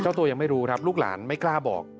ตัวยังไม่รู้ครับลูกหลานไม่กล้าบอก